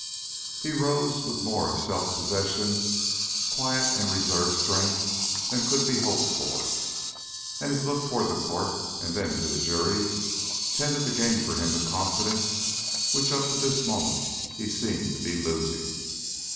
He rose with more of self possession, quiet and reserved strength, than could be hoped for, and his look toward the Court and then to the jury tended to gain for him the confidence which up to this moment he seemed to be losing.